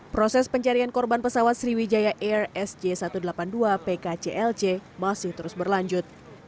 proses pencarian korban pesawat sriwijaya air sj satu ratus delapan puluh dua pkclc masih terus berlanjut